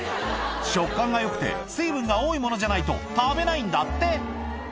食感がよくて水分が多いものじゃないと食べないんだって